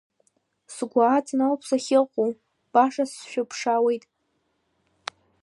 Сгәы аҵан ауп сахьыҟоу, баша сшәыԥшаауеит.